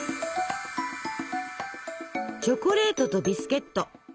チョコレートとビスケット。